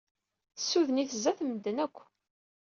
Tessuden-it sdat medden akk.